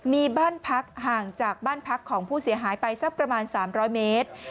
มีบ้านพักห่างจากบ้านพักของผู้เสียหายไปสักประมาณ๓๐๐เมตร